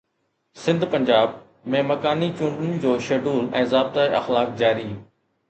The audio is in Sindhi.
سنڌ-پنجاب ۾ مڪاني چونڊن جو شيڊول ۽ ضابطا اخلاق جاري